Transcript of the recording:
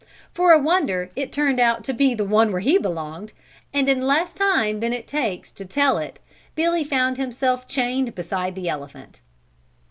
For a wonder it turned out to be the one where he belonged, and in less time than it takes to tell it Billy found himself chained beside the elephant.